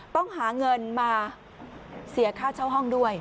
ต้องหาเงินมาเสียค่าเช่าห้องด้วย